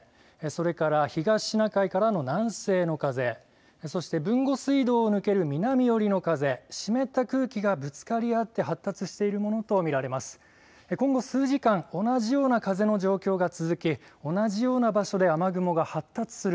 それから東シナ海からの南西の風そして豊後水道を抜ける南寄りの風湿った空気がぶつかりあって発達しているものと見られます。